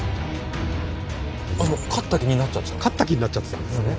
勝った気になっちゃってたんですね。